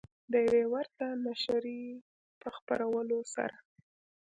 د یوې ورته نشریې په خپرولو سره